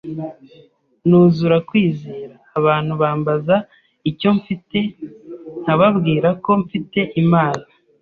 nuzura kwizera. Abantu bambaza icyo mfite nkababwirako mfite Imana,